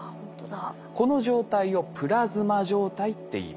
この状態を「プラズマ状態」っていいます。